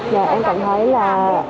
và em cảm thấy là